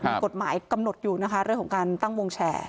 มีกฎหมายกำหนดอยู่นะคะเรื่องของการตั้งวงแชร์